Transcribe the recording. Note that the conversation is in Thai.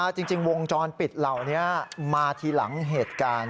จริงวงจรปิดเหล่านี้มาทีหลังเหตุการณ์